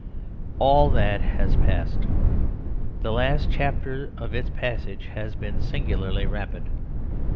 All that has passed. The last chapter of its passage has been singularly rapid.